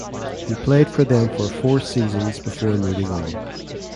He played for them for four seasons before moving on.